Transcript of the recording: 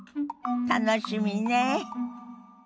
楽しみねえ。